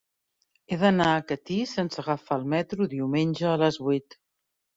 He d'anar a Catí sense agafar el metro diumenge a les vuit.